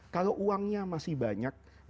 kalau uangnya masih banyaknya